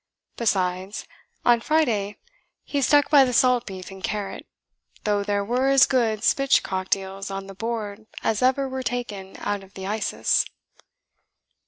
Besides, on Friday he stuck by the salt beef and carrot, though there were as good spitch cocked eels on the board as ever were ta'en out of the Isis."